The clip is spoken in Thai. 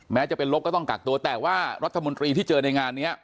แม้จะเป็นลบก็ต้องกักตัวแต่ว่ารัฐมนตรีที่เจอในงานนี้